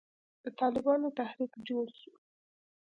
د طالبانو تحريک جوړ سو.